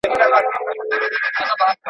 خړي وریځي پر اسمان باندي خپرې وې.